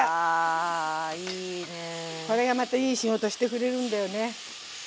これがまたいい仕事してくれるんだよね。